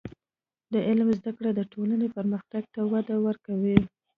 د علم زده کړه د ټولنې پرمختګ ته وده ورکوي.